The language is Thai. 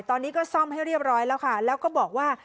ตอนนี้ก็ซ่อมให้เรียบร้อยแล้วค่ะแล้วก็บอกว่า